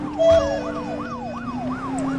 که ځوانان تاریخ ونه لولي نو تر پخوانیو به ډېر تېروځي.